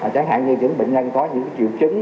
chẳng hạn như những bệnh nhân có những triệu chứng